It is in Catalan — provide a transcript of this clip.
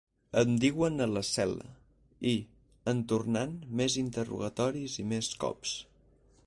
Em duien a la cel·la i, en tornant, més interrogatoris i més cops.